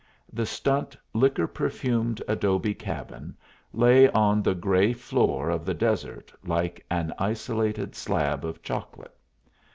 The stunt, liquor perfumed adobe cabin lay on the gray floor of the desert like an isolated slab of chocolate.